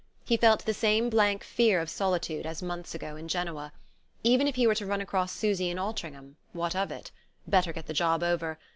He felt the same blank fear of solitude as months ago in Genoa.... Even if he were to run across Susy and Altringham, what of it? Better get the job over.